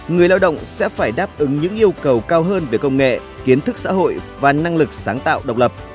người lao động sẽ phải đáp ứng những yêu cầu cao hơn về công nghệ kiến thức xã hội và năng lực sáng tạo độc lập